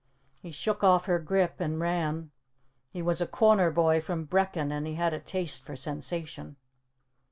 He shook off her grip and ran. He was a corner boy from Brechin and he had a taste for sensation.